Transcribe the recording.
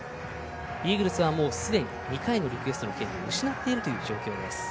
イーグルスはもうすでに２回のリクエストの権利を失っている状況です。